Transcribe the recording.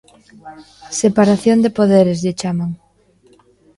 ¡Separación de poderes lle chaman!